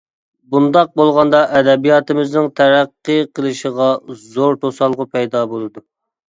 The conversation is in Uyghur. بۇنداق بولغاندا ئەدەبىياتىمىزنىڭ تەرەققىي قىلىشىغا زور توسالغۇ پەيدا بولىدۇ.